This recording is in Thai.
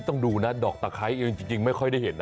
ต้องดูนะดอกตะไคร้เองจริงไม่ค่อยได้เห็นนะ